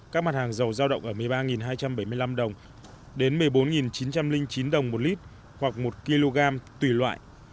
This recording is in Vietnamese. các mặt hàng dầu giao động ở một mươi ba hai trăm bảy mươi năm đồng đến một mươi bốn chín trăm linh chín đồng một lít hoặc một kg tùy loại